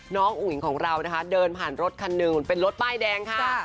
อุ้งอิ๋งของเรานะคะเดินผ่านรถคันหนึ่งเป็นรถป้ายแดงค่ะ